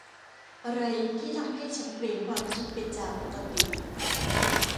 อะไรที่ทำให้ฉันเปลี่ยนความคิดไปจากปกติ ?